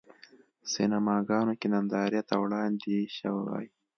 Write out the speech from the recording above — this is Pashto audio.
سینماګانو کې نندارې ته وړاندې شوی.